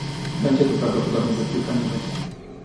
"Będzie tu prawdopodobnie za kilka minut."